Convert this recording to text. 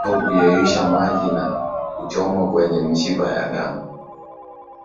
au kuyeyushwa na maji na kuchomwa kwenye mshipa wa damu